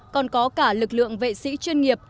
còn có cả lực lượng vệ sĩ chuyên nghiệp